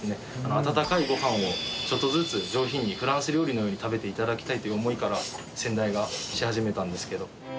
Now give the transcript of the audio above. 温かいご飯をちょっとずつ上品にフランス料理のように食べて頂きたいという思いから先代がし始めたんですけど。